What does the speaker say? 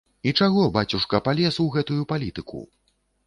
І чаго бацюшка палез у гэтую палітыку?